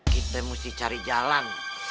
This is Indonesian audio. kita mesti cari jalan